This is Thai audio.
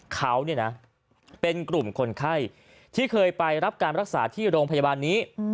เขาเป็นกลุ่มคนไข้ที่เคยไปรับการรักษาที่โรงพยาบาลนี้